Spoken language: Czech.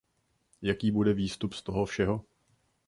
Jaký bude výstup z toho všeho?